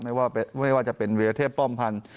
ไม่ว่าจะเป็นวิรเทพป้อมพันธ์